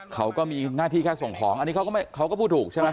เขาก็มีหน้าที่แค่ส่งของอันนี้เขาก็พูดถูกใช่ไหม